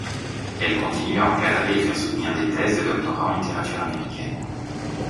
Elle continue à encadrer et faire soutenir des thèses de doctorat en littérature américaine.